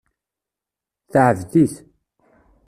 Teɛbed-it.